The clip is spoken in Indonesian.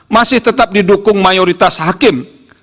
masih tetap didukung mayoritas hakim